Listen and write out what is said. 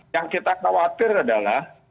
yang kita khawatir adalah